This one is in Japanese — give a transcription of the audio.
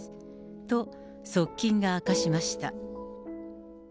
と、側近が明かしました。